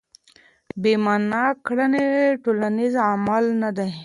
بې مانا کړنې ټولنیز عمل نه دی.